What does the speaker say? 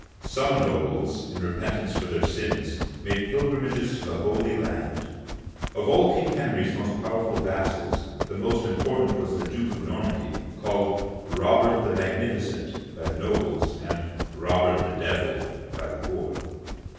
Some nobles, in repentance for their sins, made pilgrim ages to the Holy Land. Of all King Henry's many pow erful vassals, the most important was the Duke of Nor mandy, called Robert the Magnificent" by the nobles, and " Robert the Devil " by the poor.